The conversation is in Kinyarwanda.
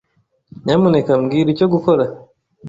Nyamuneka mbwira icyo gukora.